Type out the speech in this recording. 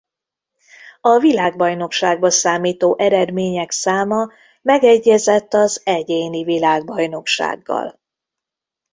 A világbajnokságba számító eredmények száma megegyezett az egyéni világbajnoksággal.